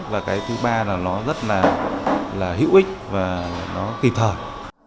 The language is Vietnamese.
và cái thứ ba là nó rất là hữu ích và nó kịp thời